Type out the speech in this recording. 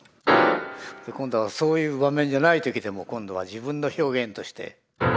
今度はそういう場面じゃない時でも今度は自分の表現として。